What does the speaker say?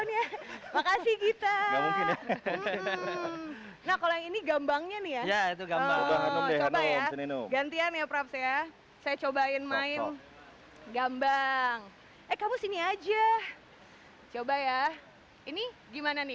ya itu gambar gantian ya saya cobain main gambar kamu sini aja coba ya ini gimana nih